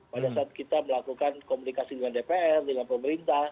pada saat kita melakukan komunikasi dengan dpr dengan pemerintah